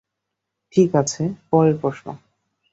ঠিক আছে, পরের প্রশ্ন!